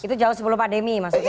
itu jauh sebelum pandemi maksudnya